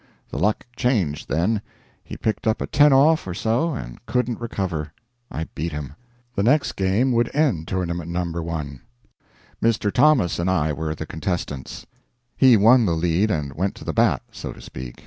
The luck changed then. He picked up a 10 off or so, and couldn't recover. I beat him. The next game would end tournament No. 1. Mr. Thomas and I were the contestants. He won the lead and went to the bat so to speak.